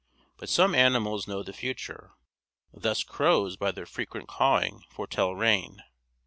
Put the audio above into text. But some animals know the future; thus crows by their frequent cawing foretell rain.